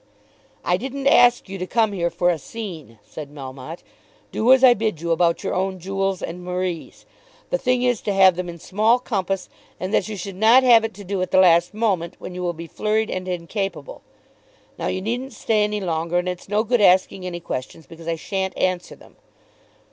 "I didn't ask you to come here for a scene," said Melmotte. "Do as I bid you about your own jewels, and Marie's. The thing is to have them in small compass, and that you should not have it to do at the last moment, when you will be flurried and incapable. Now you needn't stay any longer, and it's no good asking any questions because I shan't answer them."